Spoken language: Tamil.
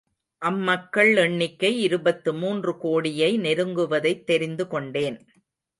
அம்மக்கள் எண்ணிக்கை இருபத்து மூன்று கோடியை நெருங்குவதைத் தெரிந்து கொண்டேன்.